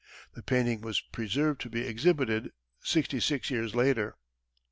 That painting was preserved to be exhibited sixty six years later.